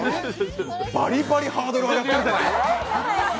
バリバリハードル上がってるじゃないですか。